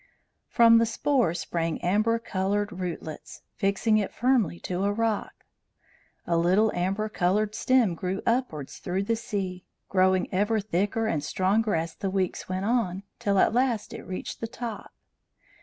From the spore sprang amber coloured rootlets, fixing it firmly to a rock. A little amber coloured stem grew upwards through the sea, growing ever thicker and stronger as the weeks went on, till at last it reached the top.